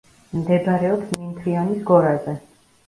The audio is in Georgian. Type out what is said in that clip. მდებარეობს მინთრიონის გორაზე.